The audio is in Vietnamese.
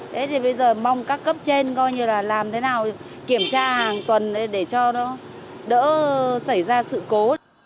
thế thì bây giờ mong các cấp trên coi như là làm thế nào kiểm tra hàng tuần để cho nó đỡ xảy ra sự cố